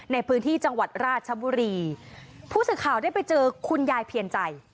ในพื้นที่จังหวัดราชบุรีผู้สื่อข่าวได้ไปเจอคุณยายเพียรใจ